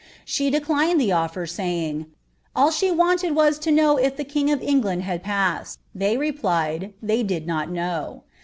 She dcriin 'ij the nftr, nying, 'all she wanted was to know if the king ofKnglatid )iad pused' They replied, ' ihey dirl not know.'